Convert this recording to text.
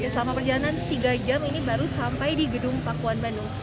selama perjalanan tiga jam ini baru sampai di gedung pakuan bandung